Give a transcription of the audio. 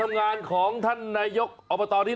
เดี๋ยวฉันไม่ไป